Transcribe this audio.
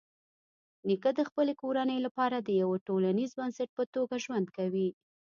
نیکه د خپلې کورنۍ لپاره د یوه ټولنیز بنسټ په توګه ژوند کوي.